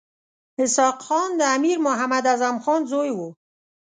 اسحق خان د امیر محمد اعظم خان زوی وو.